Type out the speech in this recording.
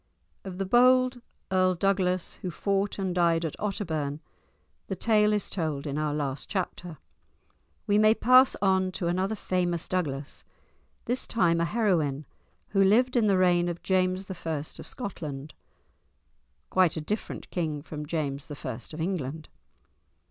Of the bold Earl Douglas who fought and died at Otterbourne the tale is told in our last chapter. We may pass on to another famous Douglas, this time a heroine, who lived in the reign of James I. of Scotland (quite a different king from James I. of England).